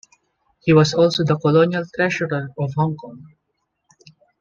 He was also the Colonial Treasurer of Hong Kong.